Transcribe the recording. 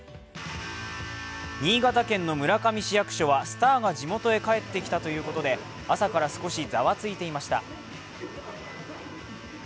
新潟県の村上市役所はスターが地元へ帰ってきたということで朝から少し、ざわついていました。